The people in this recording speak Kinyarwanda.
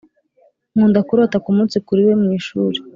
nkunda kurota kumunsi kuriwe mwishuri